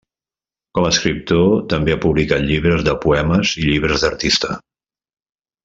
Com a escriptor també ha publicat llibres de poemes i llibres d'artista.